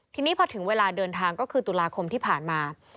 ทีนี้พอถึงเวลาเดินทางก็คือตุลาคมที่ผ่านมา